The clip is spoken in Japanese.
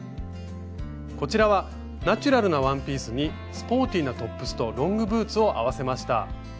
こちらはナチュラルなワンピースにスポーティーなトップスとロングブーツを合わせました。